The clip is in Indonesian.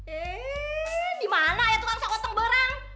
eh di mana ada yang sakoteng barang